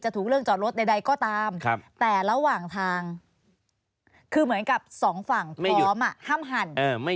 คือเหมือนกับสองฝั่งพร้อมห้ามหั่น